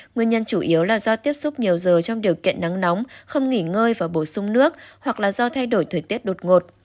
nguyên nhân chủ yếu là do tiếp xúc nhiều giờ trong điều kiện nắng nóng không nghỉ ngơi và bổ sung nước hoặc là do thay đổi thời tiết đột ngột